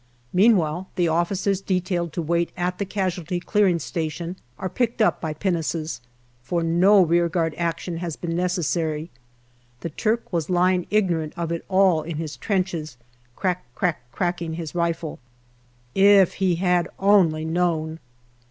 Meanwhile the officers detailed to wait at the casualty clearing station are picked up by pinnaces, for no rearguard action has been necessary : the Turk was lying ignorant of it all in his trenches, crack crack cracking his rifle. If he had only known